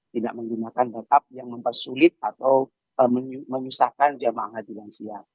tidak menggunakan backup yang mempersulit atau menyusahkan jamang hadiransia